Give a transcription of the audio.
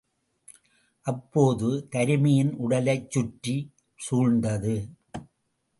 அப்போது தருமியின் உடலைச் சுற்றிச் சூழ்ந்து.